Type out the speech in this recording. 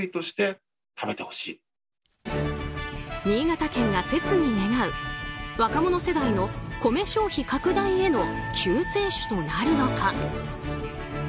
新潟県が切に願う若者世代の米消費拡大への救世主となるのか。